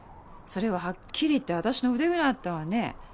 それははっきり言ってあたしの腕ぐらいあったわね。